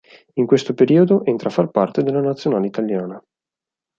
In questo periodo entra a far parte della nazionale italiana.